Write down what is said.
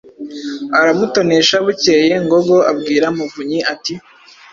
aramutonesha , bukeye Ngogo abwira Muvunyi ati"